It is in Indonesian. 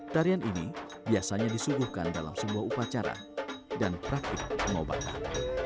tarian ini biasanya disuguhkan dalam sebuah upacara dan praktik pengobatan